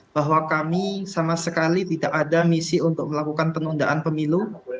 bahwa kami sama sekali tidak ada misi untuk melakukan penundaan pemilu